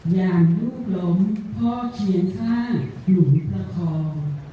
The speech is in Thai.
อย่างลูกล้มพ่อเคียงข้างหลุมประคอง